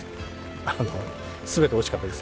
あの全ておいしかったです。